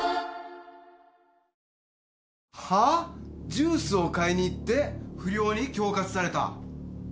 ジュースを買いに行って不良に恐喝された？